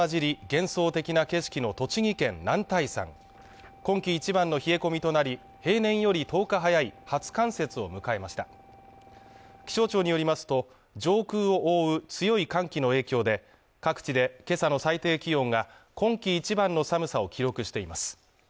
幻想的な景色の栃木県男体山今季一番の冷え込みとなり平年より１０日早い初冠雪を迎えました気象庁によりますと上空を覆う強い寒気の影響で各地でけさの最低気温が今季一番の寒さを記録しています